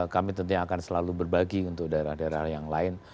kami tentunya akan selalu berbagi untuk daerah daerah yang lain